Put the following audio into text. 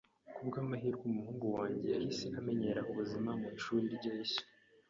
[S] Ku bw'amahirwe, umuhungu wanjye yahise amenyera ubuzima mu ishuri rye rishya.